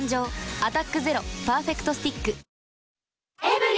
「アタックＺＥＲＯパーフェクトスティック」